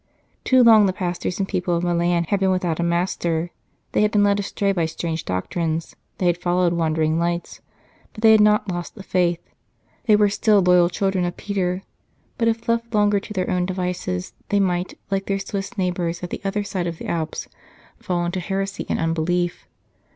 Too long the pastors and people of Milan had been without a master ; they had been led astray by strange doctrines, they had followed wandering lights, but they had not lost the Faith. They were still loyal children of Peter, but if left longer to their own devices they might, like their Swiss neighbours at the other side of the Alps, fall into heresy and unbelief.